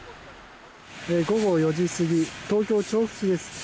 午後４時過ぎ東京・調布市です。